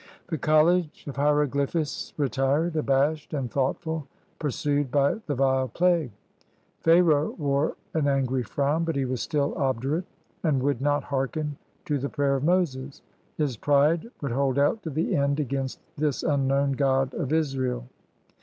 The college of hieroglyphists retired, abashed and thoughtful, pursued by the vile plague. Pharaoh wore an angry frown; but he was still obdurate, and would not hearken to the prayer of Moses. His pride would hold out to the end against this unknown God of Israel.